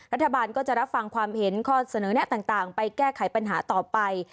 รัฐบาลก็จะรับฟังความเห็นข้อเสนอแนะต่างไปแก้ไขปัญหาต่อไป